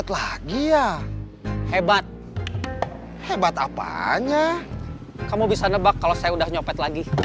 terus hp nya bisa ditelepon